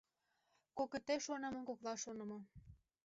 Кокыте шонымо — кокла шонымо.